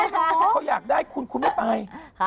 เขาอยากได้คุณคุณไม่ไป